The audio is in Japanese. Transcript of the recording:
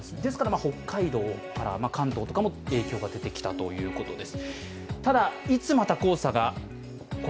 北海道から関東とかも影響が出てきたということです。